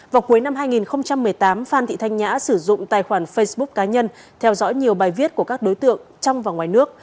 vào cuối năm hai nghìn một mươi tám phan thị thanh nhã sử dụng tài khoản facebook cá nhân theo dõi nhiều bài viết của các đối tượng trong và ngoài nước